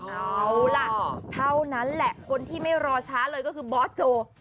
เอาล่ะเท่านั้นแหละคนที่ไม่รอช้าเลยก็คือบอสโจ